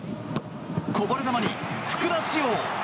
こぼれ球に福田師王！